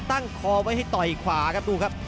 ตั้งคอไว้ให้ต่อยขวาครับดูครับ